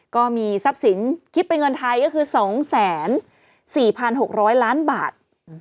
ก็มีทรัพย์สินคิดเป็นเงินไทยก็คือ๒๔๖๐๐ล้านบาท